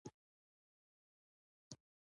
هغه د اوسپنیزو لولو جوړولو ته هم زړه نه ښه کاوه